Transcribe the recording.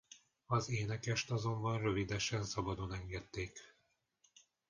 Az énekest azonban rövidesen szabadon engedték.